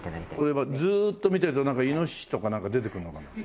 これはずーっと見てるとなんかイノシシとかなんか出てくるのかな？